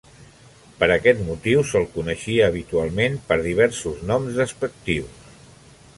Per aquest motiu, se'l coneixia habitualment per diversos noms despectius.